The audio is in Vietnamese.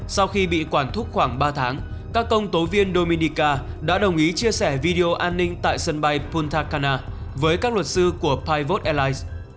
sau khi bị quản thúc khoảng ba tháng các công tố viên dominica đã đồng ý chia sẻ video an ninh tại sân bay punta canada với các luật sư của pivos airlines